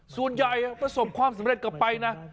ส่วนใหญ่ประสบความสำเร็จกลับไปนะ